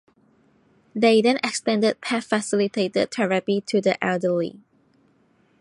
They then extended pet facilitated therapy to the elderly.